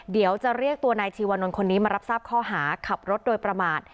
เดี๋ยวจะเรียกตัวนายชีวานนท์คนนี้มารับทราบข้อหาขับรถโดยประมาท